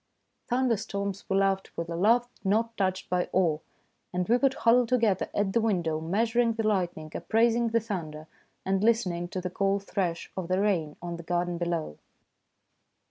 Thunderstorms we loved with a love not untouched by awe, and we would huddle together ,at the window, measuring the lightning, appraising the thunder, and listen ing to the cool thresh of the rain on the garden below.